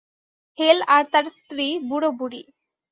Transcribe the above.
হেল আর তার স্ত্রী, বুড়ো-বুড়ী।